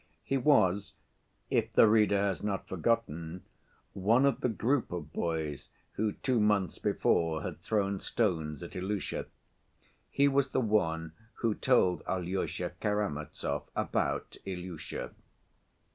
He was—if the reader has not forgotten—one of the group of boys who two months before had thrown stones at Ilusha. He was the one who told Alyosha Karamazov about Ilusha.